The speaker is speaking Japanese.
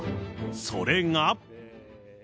それが。